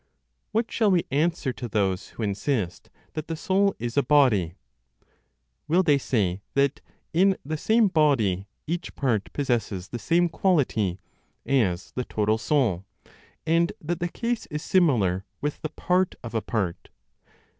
What shall we answer to those who insist that the soul is a body? Will they say that, in the same body, each part possesses the same quality as the total soul, and that the case is similar with the part of a part?